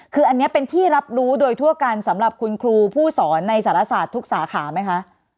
คืออันนี้เป็นที่รับรู้โดยทั่วกันสำหรับคุณครูผู้สอนในสารศาสตร์ทุกสาขาไหมคะ